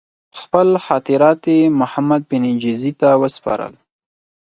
خپل خاطرات یې محمدبن جزي ته وسپارل.